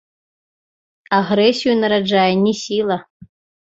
Агрэсію нараджае не сіла.